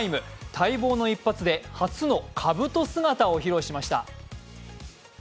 待望の一発で、初のかぶと姿を披露しました。